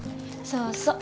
そうそう。